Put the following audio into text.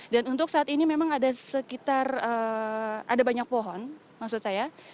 dan untuk saat ini memang ada sekitar ada banyak pohon maksud saya